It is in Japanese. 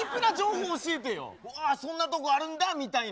「わそんなとこあるんだ」みたいな。